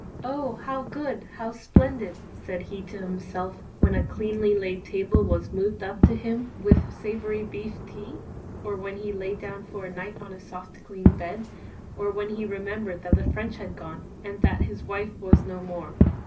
"Oh, how good! How splendid!" said he to himself when a cleanly laid table was moved up to him with savory beef tea, or when he lay down for the night on a soft clean bed, or when he remembered that the French had gone and that his wife was no more.